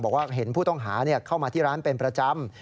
บอกว่าเห็นผู้ต้องหาเข้ามาที่ร้านเป็นประจำ